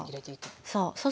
そう。